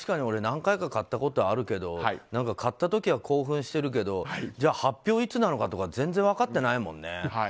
何回か買ったことあるけど買った時は興奮してるけど発表はいつなのかとか全然分かってないもんね。